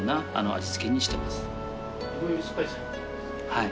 はい。